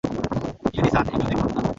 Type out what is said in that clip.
ইয়েরি-সান, একেও দেখুন না।